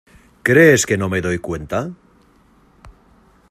¿ crees que no me doy cuenta?